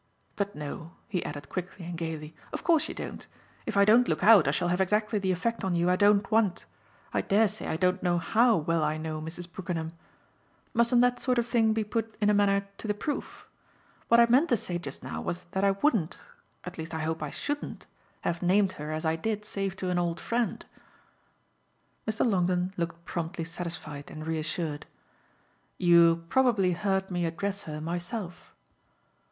But no," he added quickly and gaily, "of course you don't: if I don't look out I shall have exactly the effect on you I don't want. I dare say I don't know HOW well I know Mrs. Brookenham. Mustn't that sort of thing be put in a manner to the proof? What I meant to say just now was that I wouldn't at least I hope I shouldn't have named her as I did save to an old friend." Mr. Longdon looked promptly satisfied and reassured. "You probably heard me address her myself."